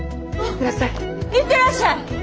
行ってらっしゃい！